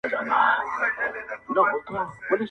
زما چي ژوند په یاد دی د شېبو غوندي تیریږي -